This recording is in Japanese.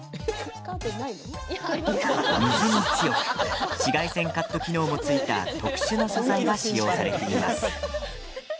水に強く紫外線カット機能も付いた特殊な素材が使用されています。